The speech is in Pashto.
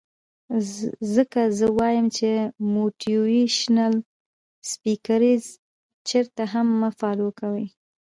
ځکه زۀ وائم چې موټيوېشنل سپيکرز چرته هم مۀ فالو کوئ